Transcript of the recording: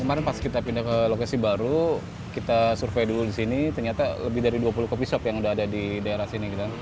kemarin pas kita pindah ke lokasi baru kita survei dulu di sini ternyata lebih dari dua puluh coffee shop yang udah ada di daerah sini